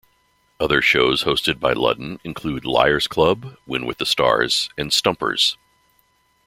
Other shows hosted by Ludden include "Liar's Club," "Win with the Stars," and "Stumpers!